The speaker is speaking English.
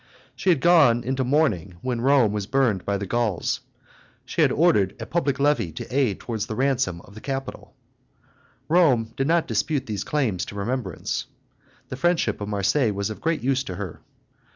She had gone into mourning when Rome was burned by the Gauls; she had ordered a public levy to aid towards the ransom of the Capitol. Rome did not dispute these claims to remembrance. The friendship of Marseilles was of great use to her.